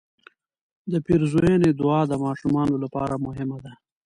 د پیرزوینې دعا د ماشومانو لپاره مهمه ده.